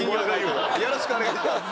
よろしくお願いします！